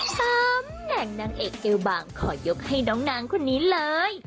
ตำแหน่งนางเอกเอวบางขอยกให้น้องนางคนนี้เลย